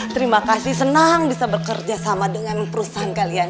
terima kasih senang bisa bekerja sama dengan perusahaan kalian